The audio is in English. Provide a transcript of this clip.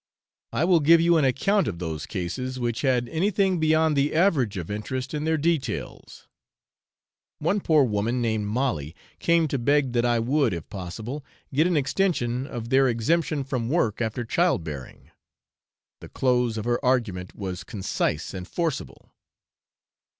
I will give you an account of those cases which had anything beyond the average of interest in their details. One poor woman, named Molly, came to beg that I would, if possible, get an extension of their exemption from work after child bearing. The close of her argument was concise and forcible.